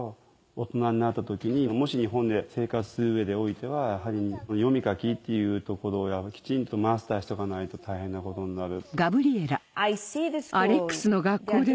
大人になった時にもし日本で生活する上でおいてはやはり読み書きっていうところをきちんとマスターしとかないと大変なことになる。